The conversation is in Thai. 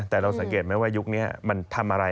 แต่เราสังเกตไหมว่ายุคนี้มันทำอะไร